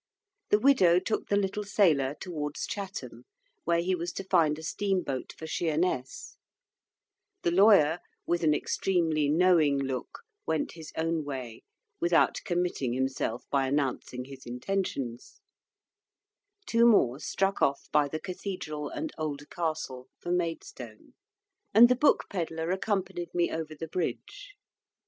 The widow took the little sailor towards Chatham, where he was to find a steamboat for Sheerness; the lawyer, with an extremely knowing look, went his own way, without committing himself by announcing his intentions; two more struck off by the cathedral and old castle for Maidstone; and the book pedler accompanied me over the bridge.